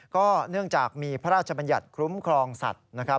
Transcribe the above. ก็เนื่องจากมีพระราชบัญญัติคุ้มครองสัตว์นะครับ